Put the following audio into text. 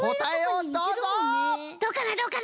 どうかなどうかな？